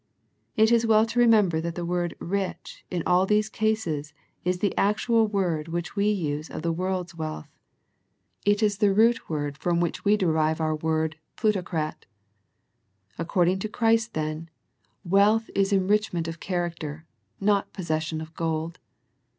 It is well to remember that the word " rich " in all these cases is the actual word which we use of the world's wealth. It is the root word from which we derive our JO A First Century Message word plutocrat. According to Christ then, ——wealth is enrichment of character, not posses sion of gold.